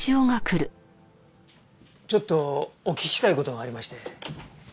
ちょっとお聞きしたい事がありまして。